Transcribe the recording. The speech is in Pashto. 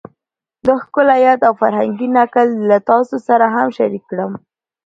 دا ښکلی یاد او فرهنګي نکل له تاسو سره هم شریک کړم